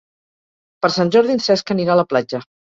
Per Sant Jordi en Cesc anirà a la platja.